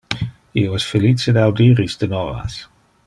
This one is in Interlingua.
Io es felice de audir iste novas.